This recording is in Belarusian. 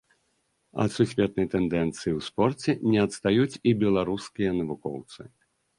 Ад сусветнай тэндэнцыі ў спорце не адстаюць і беларускія навукоўцы.